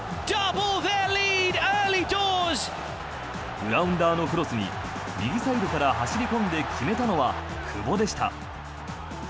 グラウンダーのクロスに右サイドから走り込んで決めたのは久保でした。